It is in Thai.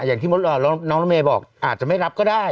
อย่างที่น้องรถเมย์บอกอาจจะไม่รับก็ได้